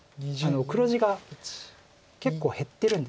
黒地が結構減ってるんです。